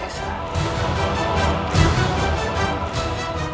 jika wanita siluman itu ada disini